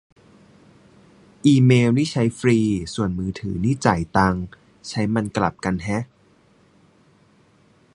อีเมล์นี่ใช้ฟรี ส่วนมือถือ นี่จ่ายตังค์ใช้ มันกลับกันแฮะ